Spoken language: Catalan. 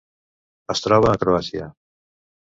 Es troba a Croàcia.